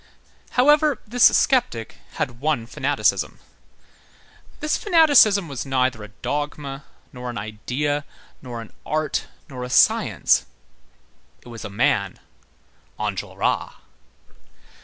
However, this sceptic had one fanaticism. This fanaticism was neither a dogma, nor an idea, nor an art, nor a science; it was a man: Enjolras.